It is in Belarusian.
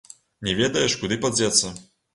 Не ведаеш, куды падзецца.